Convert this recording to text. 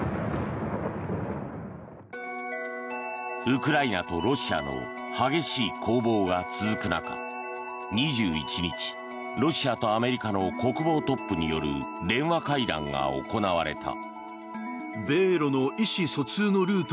ウクライナとロシアの激しい攻防が続く中２１日、ロシアとアメリカの国防トップによる電話会談が行われた。